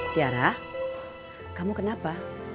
tiara kamu kenapa